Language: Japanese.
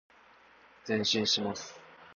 前進します。